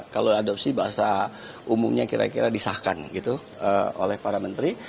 kalau adopsi bahasa umumnya kira kira disahkan gitu oleh para menteri